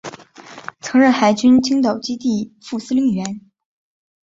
曾任海军青岛基地副司令员。